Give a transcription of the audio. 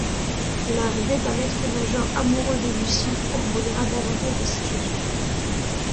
L'arrivée d'un maître nageur amoureux de Lucie embrouillera davantage la situation.